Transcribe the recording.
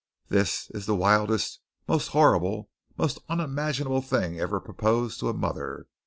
This is the wildest, most horrible, most unimaginable thing ever proposed to a mother.